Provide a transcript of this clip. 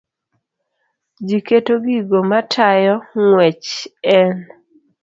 Ji keto gigo matayo ng'wech e n